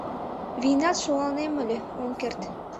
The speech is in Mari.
Вийналт шогалнем ыле — ом керт.